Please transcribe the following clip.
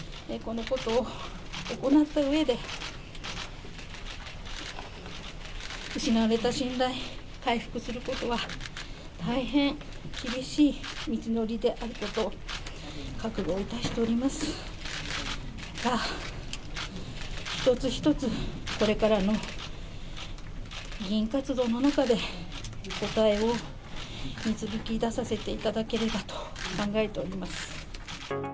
このことを行ったうえで、失われた信頼を回復することは、大変厳しい道のりであること、覚悟いたしておりますが、一つ一つ、これからの議員活動の中で、答えを導き出させていただければと考えております。